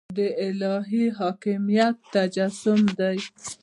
د الهي حاکمیت تجسم دی.